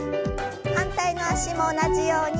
反対の脚も同じように。